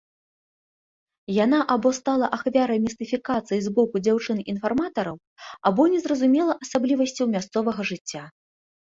Яна або стала ахвярай містыфікацыі з боку дзяўчын-інфарматараў, або не зразумела асаблівасцяў мясцовага жыцця.